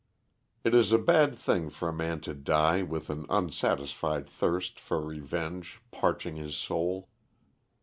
It is a bad thing for a man to die with an unsatisfied thirst for revenge parching his soul.